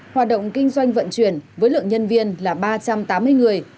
hoạt động kinh doanh vận chuyển với lượng nhân viên là ba trăm tám mươi người